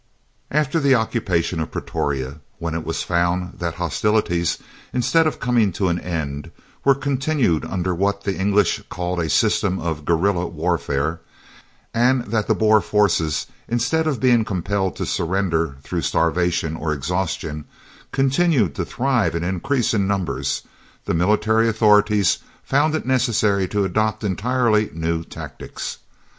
After the occupation of Pretoria, and when it was found that hostilities, instead of coming to an end, were continued under what the English called a system of "guerilla" warfare, and that the Boer forces, instead of being compelled to surrender through starvation or exhaustion, continued to thrive and increase in numbers, the military authorities found it necessary to adopt entirely new tactics.